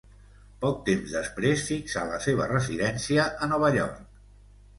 Poc temps després fixà la seva residència a Nova York.